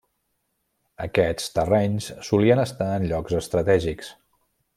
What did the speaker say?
Aquests terrenys solien estar en llocs estratègics.